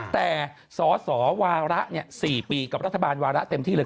แต่สอสอวาระ๔ปีกับรัฐบาลวาระเต็มที่เลย